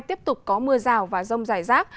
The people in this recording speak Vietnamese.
tiếp tục có mưa rào và rông dài rác